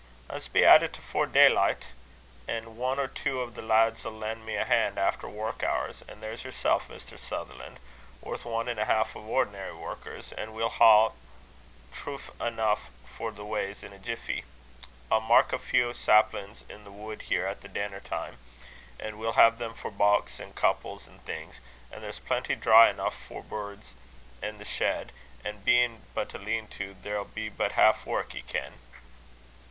"I'se be at it afore daylicht, an' ane or twa o' the lads'll len' me a han' efter wark hours; and there's yersel', Mr. Sutherlan', worth ane an' a half o' ordinary workers; an' we'll hae truff aneuch for the wa's in a jiffey. I'll mark a feow saplin's i' the wud here at denner time, an' we'll hae them for bauks, an' couples, an' things; an' there's plenty dry eneuch for beurds i' the shed, an' bein' but a lean to, there'll be but half wark, ye ken."